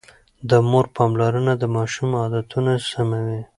د مور پاملرنه د ماشوم عادتونه سموي.